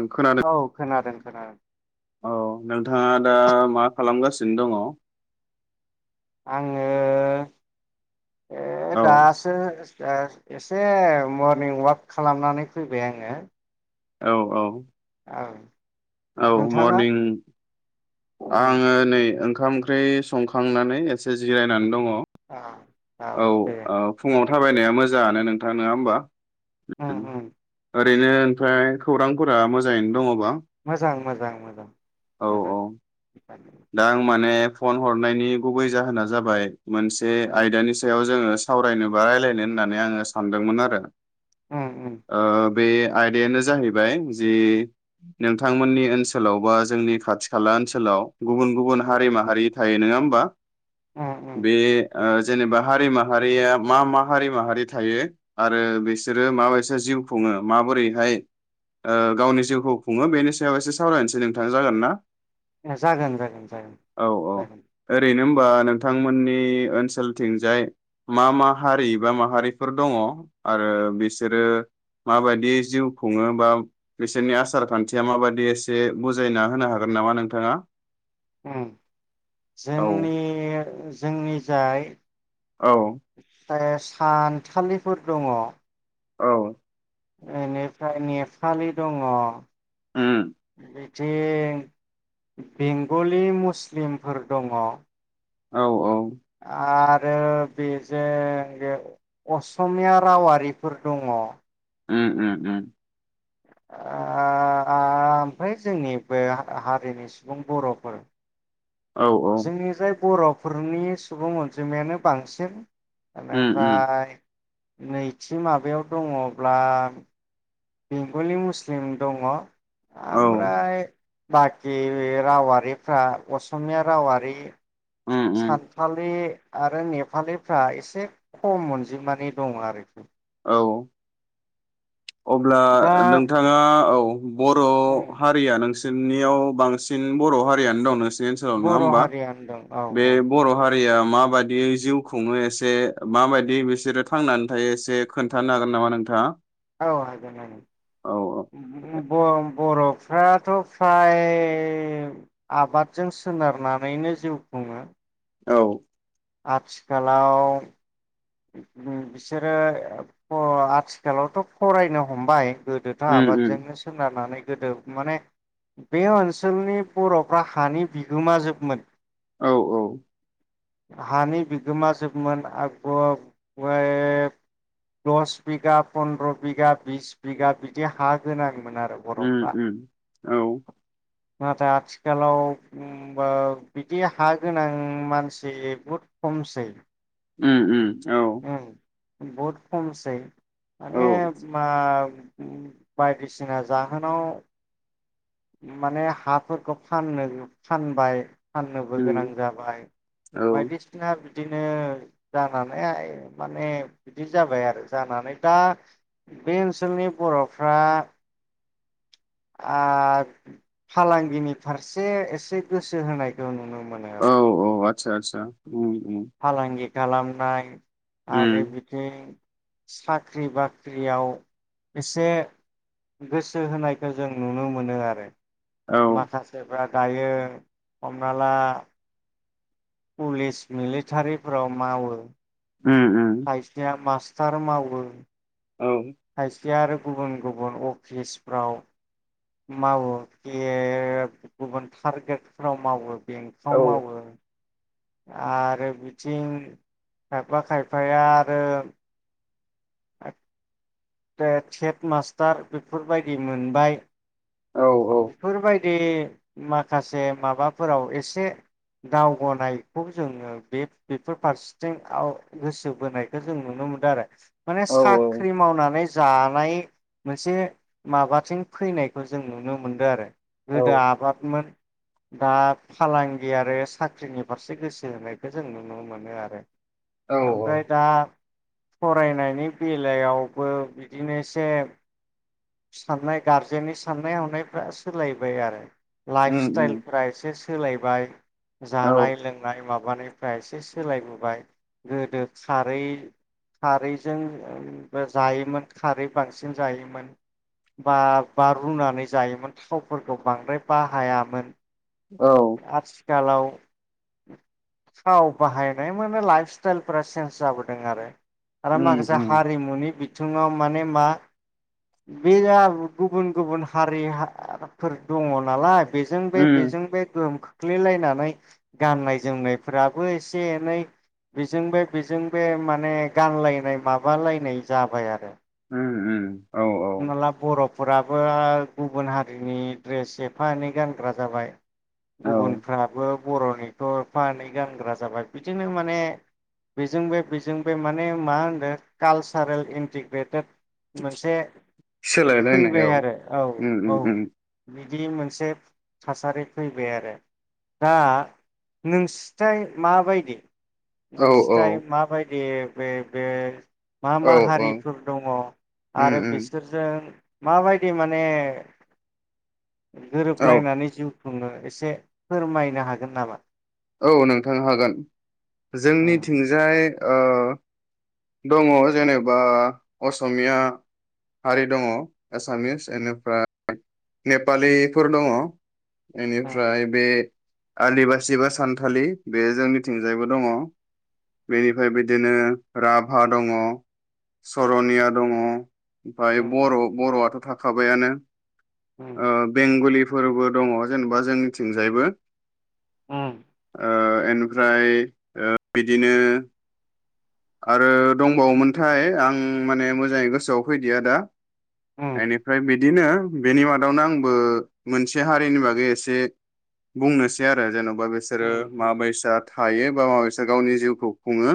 आं खोनादों औ खोनादों। खोना औ नोंथाङा दा मा खालामगासिनो दङ? आङो ए दासो दा ओ एसे मरनिं अवाक खालामनानै फैबाय आङो। औ औ। आं औ मरनिं उम आङो नै ओं ओंखाम ओंख्रि संखांनानै एसे जिरायनानै दङ। अ औ ओ फुङाव थाबायनाया मोजाङानो नोंथां नङा होमबा? उम उम ओरैनो ओमफ्राय खौरांफोरा मोजाङैनो दङबा? मोजां मोजां मोजां औ मोजां। औ दा आं माने फन हरनायनि गुबै जाहोना जाबाय। मोनसे उम आयदानि सायाव जोङो सावरायनो बा रायज्लायनो होननानै आङो सानदोंमोन आरो। उम उम ओ। बे आयदायानो जाहैबाय जि नोंथांमोननि ओनसोलाव बा जोंनि खाथि खाला ओनसोलाव। गुबुन गुबुन हारि उम माहारि थाखाय। जायो नङा होमबा? उम उम बे आ जेनेबा हारि माहारिया मा मा हारि माहारि थायो आरो बिसोरो माबायसे जिउ खुङो माबोरैहाय ओ गावनि जिउखौ खुङो बेनि सायाव एसे सावरायनोसै नोंथाङा जागोन ना? ए जागोन जोगोन जागोन जागोन। होनबा नोंथांमोननि ओनसोलथिंजाय मा मा हारि बा माहारिफोर दङ आरो बिसोरो माबायदि जिउ खुङो बा बिसोरनि आसार खान्थिया माबायदि एसे बुजायना होनो हागोन नामा नोंथाङा? ओम औ जोंनि जोंनि जाय औ। सान्थालिफोर दङ। औ। इनिफ्राय नेट सालि दङ। उम [unintelligible] जे बेंगलि मुस्लिमफोर दङ। औ औ। आर आरो बेजों बे असमिया रावारिफोर दङ। उम उम उम ओमफ्राय जोंनि बे हारिनि सुबुं बर'फोर औ औ जोंनि जाय बर' नखरनि सुबुं अनजिमायानो बांसिन। उम उम बेनिफ्राय नैथि माबायाव दङब्ला बेंगलि मुस्लिम दङ। औ आमफ्राय बाखि रावारिफ्रा असमिया रावारि उम उम सान्थालि आरो नेपालिफ्रा एसे खम अनजिमानि दं आरोखि। औ। अब्ला दा नोंथाङा औ बर' उम हारिया नोंसोर जोंनियाव बांसिन बर' हारियानो दं नोसि ओनसोलाव नङा बर' हमबा हारिया होनदों औ बे औ बर' हारि हारिया माबायदि जिउ खुङो एसे माबायदि बिसोरो थांनानै थायो एसे खोन्थानो हागोन नामा नोंथाङा? औ हागोन औ हागोन बर' बर' फ्राथ' फ्राय आबादजों सोनारनानैनो जिउ खुङो। औ। आथिखालाव बिसोरो आथिखालावथ' फरायनो हमबाय। गोदोथ उम उम आबादजोंनो सोनारनानै गोदो माने बे ओनसोलनि बर'फ्रा हानि बिगोमाजोबमोन। औ औ। हानि बिगोमा जोबमोन दस बिगा फनन्द्र' बिगा बिस बिगा बिदि हा गोनां। आरो उम बर'फ्रा। उम औ। नाथाय आथिखालाव बिदि हा गोनां मानसि बहुद खमसै। उम उम औ बहद खमसै औ माने मा बायदिसिना जाहोनाव माने हाफोरखौ फाननो फानबाय फाननोबो गोनां उम जाबाय औ बायदिसिना बिदिनो जानानैहाय माने बिदि जाबाय आरो जानानै दा बे ओनसोलनि बर'फ्रा फालांगिनि फारसे एसे गोसो होनायखौ नुनो मोनो मोनो आसा आसा फालांगि खालामनाय उम आरो बिथिं साख्रि बाख्रियाव एसे गोसो होनायखौ जों नुनो मोनो आरो औ माखासेफ्रा दायो हमना ला पुलिस मिलिटारिफोराव मावो उम उम खायसेया मास थार मावो औ [unintelligible] आरो गुबुन गुबुन अफिसफ्राव मावो बे गुबुन टारगेटफोराव मावो औ बेंकाव मावो आरो बिथिं खायफा खायफाया आरो [unintelligible] टेट [unintelligible] मास्टार बेफोरबायदि मोनबाय औ औ बेफोरबायदि माखासे माबाफोराव एसे दावगानायखौ जोङो बे बेफोर फारसेथिंआव गोसो बोनायखौ जों नुनो मोनदों आरो माने औ साख्रि मावनानै जानाय मोनसे माबाथिं फैनायखौ जों नुनो मो मोनदो आरो औ गोदो आबादमोन दा फालांगि आरो साख्रिनि फारसे गोसो होनायखौ जों नुनो मोनो आरो औ औ ओमफ्राय दा फरायनायनि बेलायावबो बिदिनो एसे साननाय गारजेननि साननाय हनाय फ्रा सोलायबाय आरो लाइफ उम स्टाइल उम एसे सो सोलायबाय औ जानाय लोंनाय माबा [unintelligible] एसे सोलायबोबाय गोदो खारै खारैजोंबो जायोमोन खारै बांसिन जायोमोन बा बा रुनानै जायोमोन थावफोरखौ बांद्राय बाहायामोन। औ। आथिखालाव थाव बाहायनाय माने लाइफ स्टाइलफ्रा चेन्स जाबोदों आरो। आरो उम माखासे उम हारिमुनि बि बिथिङाव माने मा बे गुबुन गुबुन हारिफोर दङ नालाय। बेजों बे उम बेजों बे गोहोम खोख्लैलायनानै गाननाय जोमनायफ्राबो एसे एनै बेजों बे बेजों बे माने गानलायनाय माबालायनाय जाबाय आरो। ओम ओम हमनाला बरफो फोराबो गुबुन हारिनि ड्रेस एफा एनै गानग्रा जाबाय। औ गुबुनफ्राबो बर'निथ' एफ एनै गानग्रा जाबाय बिदिनो माने बेजों बे बेजों बे माने मा होनदों कालसारेल इन्टिग्रेटेड मोनसे सोलाय फैबाय लायनायाव आरो औ ओम‌ औ ओम बिदि मोनसे थासारि फैबाय आरो दा नोंसोरथाय माबायदि औ औ नोंसिथाय माबायदि ए बे बे मा औ मा औ हारिफोर दङ उम आरो उम बिस जों माबायदि माने औ गोरोबलायनानै जिउ बु खुनो एसे फोरमायनो हागोन नामा? औ नोंथां हागोन। जोंनि उम थिंजाय औ। दङ जेनेबा असमिया हारि दङ एसामिस बेनिफ्राय नेपालिफोर दङ। उम बेनिफ्राय बे आदिबासि बा सानथालि बे जोंनिथिंजायबो दङ बेनिफ्राय बिदिनो राभा दङ सरनिया दङ। ओमफ्राय बर' उम बर'आथ' थाख खाबायानो आ बेंगलिफो फोरबो दङ जेनेबा जोंनिथिंजायबो। ओ। ओ एनिफ्राय बिदिनो आरो दंबावोमोनथाय आं माने मोजाङै गोसोआव फैदिया दा उम बेनिफ्राय बे बिदिनो बेनि मादावनो आंबो मोनसे हारिनि बागै एसे बुंनोसै आरो औ। बा बिसोरो उम उम माबैसा थायो बा माबासे गावनि जिउखौ खुङो।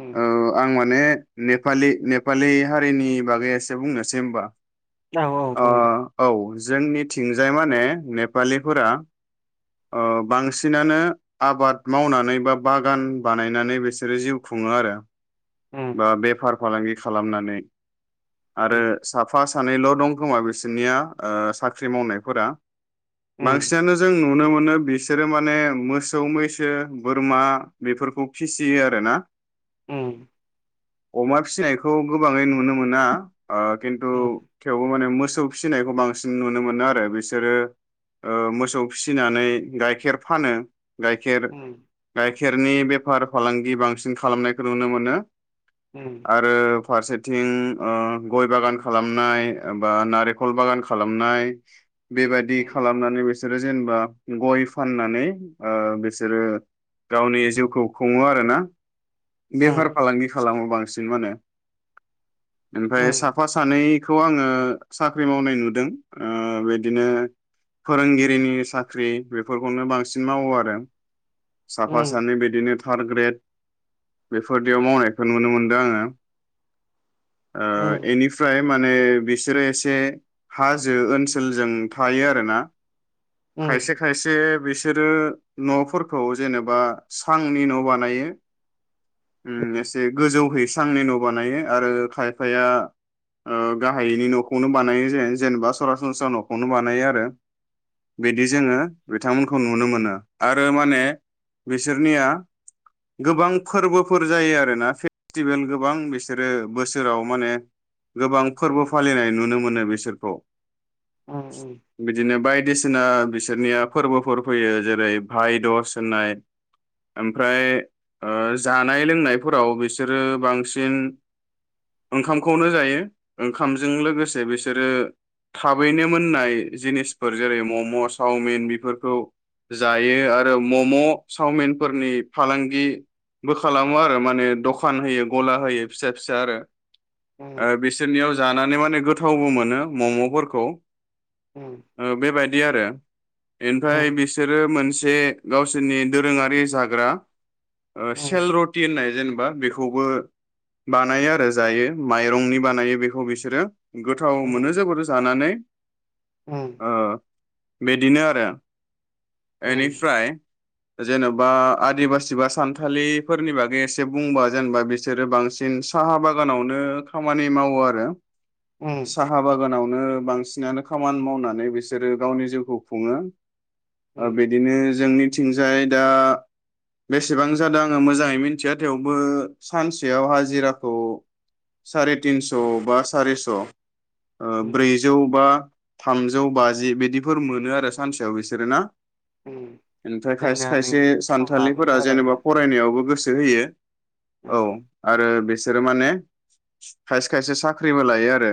उम औ आं माने नेपालि नेपालि हारिनि बागै एसे बुंनोसै होमबा। औ औ ओ बुंद औ जोंनिथिंजाय माने नेपालिफोरा ओ बांसिनानो आबाद मावनानै बा बागान बानायनानै बिसोरो जिउ खुङो आरो। उम ओ बेफार फालांगि खालामनानै आरो उम साफा सानैल' दं। खोमा बिसोरनिया ओ साख्रि मावनायफोरा। उम बांसिनानो जों नुनो मोनो बिसोरो माने मोसौ मैसो बोरमा बेफोरखौ फिसियो आरो ना। ओम। अमा फिसिनायखौ गोबाङै नुनो मोना। ओ खिन्थु उम थेवबो माने मोसौ फिसिनायखौ बांसिन नुनो मोनो आरो बिसोरो मोसौ फिसिनानै गाइखेर फानो। गाइखेर उम गाय खेरनि बेफार फालांगि बांसिन खालामनायखौ नुनो मोनो। उम आरो। फारसेथिं ओम गय बागान खालामनाय एबा नारेंखल बागान खालामनाय बेबायदि खालामनानैबो बिसोरो जेनेबा गय फाननानै बिसोरो गावनि जिउखौ खुङो आरो ना? बेफार फालांगि खालामो। बांसिन माने ओमफ्राय साफा सानै खौ आङो साख्रि मावनाय नुदों ओ बिदिनो फोरोंगिरिनि साख्रि बेफोरखौनो बांसिन मावो आरो। साफा सानै बिदिनो थार्ड ग्रेड बेफोरदियाव मावनायखौ नुनो मोनदों आङो। आ इनिफ्राय माने बि बिसोरो एसे हाजो ओनसोलजों थायो आरो ना? खायसे खायसे बिसोरो न'फोरखौ जेनेबा सांनि न' बानायो। उ एसे गोजौ होस्रांनि न' बानायो। आरो खायफाया ओ गाहायैनि न'खर नखौनो बानायो जायो जेनेबा सरासनस्रा न'खौनो बानायो आरो बिदि जोङो बिथांमोनखौ नुनो मोनो आरो माने बिसोरनिया गोबां फोरबोफोर जायो आरोोना फेस्टिभेल गोबां बिसोरो बोसोराव माने गोबां फोरबो फालिनाय नुनो मोनो बिसोरखौ। बिदिनो बाय बायदिसिना बिसोरनिया फोरबोफोर फैयो जेरै भाय दस होननाय ओमफ्राय जानाय लोंनायफोराव बिसोरो बांसिन ओंखामखौनो जायो ओंखामजों लोगोसे बिसोरो थाबैनो मोननाय जिनिसफोर जेरै मम' सावमिन बेफोरखौ जायो आरो मम' सावमिनफोरनि फालांगिबो खालामो आरो माने दखान होयो गला होयो फिसा फिसा आरो ओ बिसोरनियाव जानानै माने गो गोथावबो मोनो मम'फोरखौ औ बेबायदि आरो ओमफ्राय बिसोरो मोनसे मोनसे गावसोरनि दोरोङारि जाग्रा सेल रटि होननाय जेनेबा बेखौबो बानायो आरो जायो माइरंनि बानायो बेखौ बिसोरो गोथाव मोनो जोबोद जानानै उम ओ बिदिनो आरो बेनिफ्राय जेन'बा ओ आदिबासि बा सानथालिफोरनि बागै एसे बुंबा जेनेबा बिसोरो बांसिन साहा बागानावनो खामानि मावो आरो साहा बागानावनो बांसिन सिनानो खामानि मावनानै बिसोरो गावनि जिउखौ खुङो। बिदिनो जोंनि थिंजाय दा बेसेबां जादों आं मोजाङै मिथिया थेवबो सानसेयाव हाथियारफोरखौ सारितिनस'बा सारिस' ब्रैजौ बा थामजौ बाजि बिदिफोर मोनो आरो सानसेयाव बिसोरो ना। ओमफ्राय खायसे जोंना नै खायसे समाबो सानथालिफोरा जेनेबा जाबायमोन फरायनायावबो गोसो गोसो होयो। औ आरो बेस सोरो माने खायसे खायसे सा ख्रिबो लायो आरो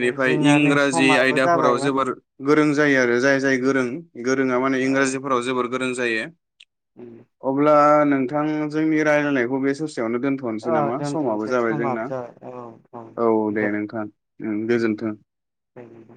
बे जोंना नै इंराजि समाबो आयदाफोराव जाबायमोन जोबोर गोरों जायो आरो जाय जाय गोरों गोरोङा माने इंराजिफोराव जोबोर गो लोंजायो अब्ला नो नोंथां जोंनि रायलायनायखौ बे सस औ दोनथ'सै समाबो जाबाय औ औ औ दे नोंथां उम गोजोनथों दे नोंथां।